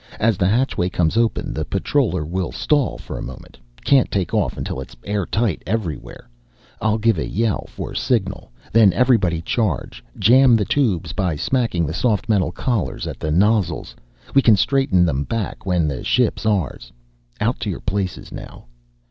"As the hatchway comes open, the patroller will stall for the moment can't take off until it's airtight everywhere. I'll give a yell for signal. Then everybody charge. Jam the tubes by smacking the soft metal collars at the nozzles we can straighten them back when the ship's ours. Out to your places now."